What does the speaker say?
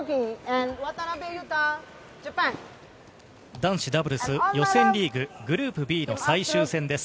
男子ダブルス予選リーグ、グループＢの最終戦です。